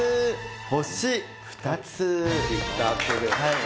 星２つ。